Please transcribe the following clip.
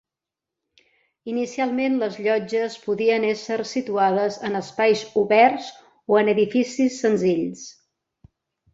Inicialment les llotges podien ésser situades en espais oberts o en edificis senzills.